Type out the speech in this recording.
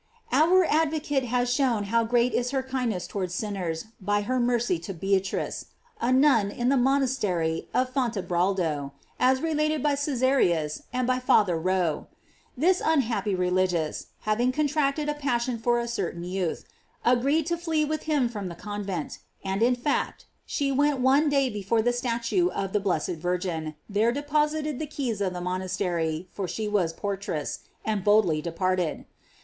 Our advocate has shown how great is her kind ness towards sinners by her mercy to .Beatrice, a nun in the monastery of Fontebraldo, as relat ed by Cesariu8,f and by Father Rho.J This un happy religious, having contracted a passion for a certain youth, agreed to flee with him from the convent; and in fact she went one day before a statue of the blessed Virgin, there deposited the keys of the monastery, for she was portress, and boldly departed.